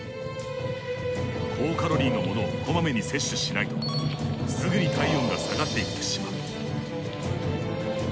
高カロリーのものをこまめに摂取しないとすぐに体温が下がっていってしまう。